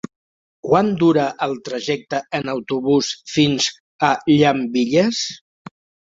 Quant dura el trajecte en autobús fins a Llambilles?